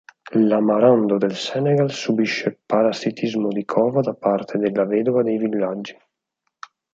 L'amarando del Senegal subisce parassitismo di cova da parte della vedova dei villaggi.